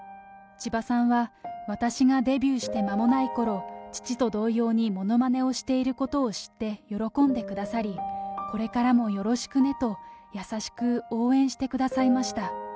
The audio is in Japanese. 千葉さんは私がデビューして間もないころ、父と同様にものまねをしていることを知って喜んでくださり、これからもよろしくねと、優しく応援してくださいました。